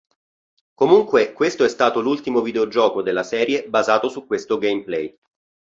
Comunque questo è stato l'ultimo videogioco della serie basato su questo gameplay.